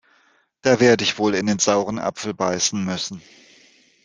Da werde ich wohl in den sauren Apfel beißen müssen.